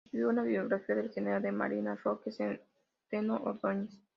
Escribió una biografía del general de Marina Roque Centeno Ordoñez